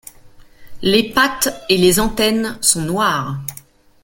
Les pattes et les antennes sont noires.